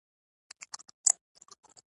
مچان د غاښونو شاوخوا ګرځي